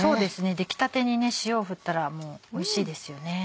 出来たてに塩を振ったらおいしいですよね。